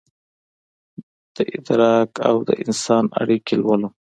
دادراک اودانسان اړیکې لولم